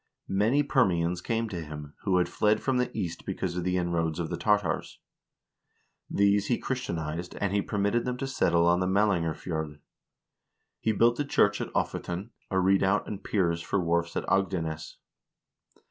Many Permians came to him, who had fled from the East because of the inroads of the Tartars. These he Chris tianized, and he permitted them to settle on the Melangerf jord. He built a church at Ofoten, a redoubt and piers for wharfs at Agdenes.